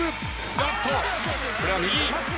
おっとこれは右。